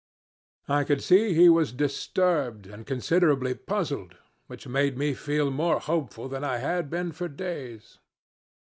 I could see he was disturbed and considerably puzzled, which made me feel more hopeful than I had been for days.